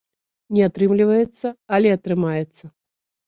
Не атрымліваецца, але атрымаецца.